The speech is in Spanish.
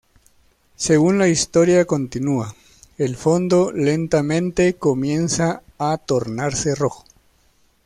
Según la historia continúa, el fondo lentamente comienza a tornarse rojo.